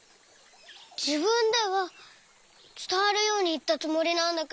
じぶんではつたわるようにいったつもりなんだけど。